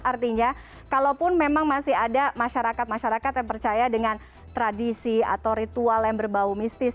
artinya kalaupun memang masih ada masyarakat masyarakat yang percaya dengan tradisi atau ritual yang berbau mistis